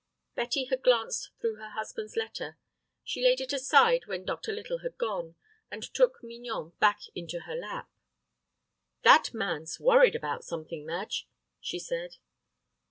Betty had glanced through her husband's letter. She laid it aside when Dr. Little had gone, and took Mignon back into her lap. "That man's worried about something, Madge," she said.